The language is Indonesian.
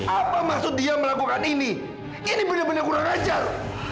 apa maksud dia melakukan ini ini benar benar kurang ajar